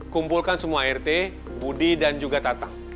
kumpulkan semua art budi dan juga tata